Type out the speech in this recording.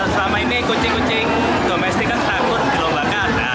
selama ini kucing kucing domestik kan takut di lomba kata